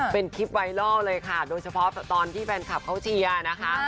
เป็นคลิปไวรัลเลยค่ะโดยเฉพาะตอนที่แฟนคลับเขาเชียร์นะคะ